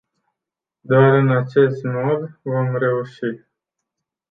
Doar în acest mod vom reuși.